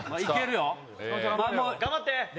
頑張って！